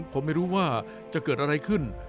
ผมไม่รู้ว่าจะเกิดอะไรขึ้น